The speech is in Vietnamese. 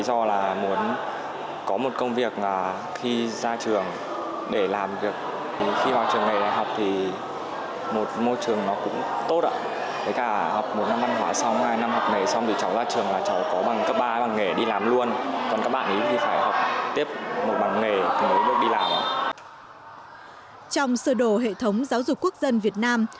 trong sơ đồ hệ thống giáo dục quốc dân việt nam